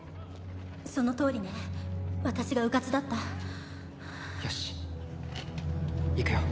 そのとおりね私がうかつだったよし行くよ